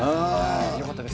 よかったです。